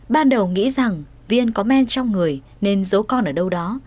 ban đầu nghĩ rằng viên có men trong người nên giấu con ở đâu đó